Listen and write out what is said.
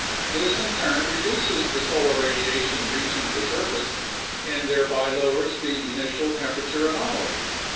This in turn reduces the solar radiation reaching the surface and thereby lowers the initial temperature anomaly.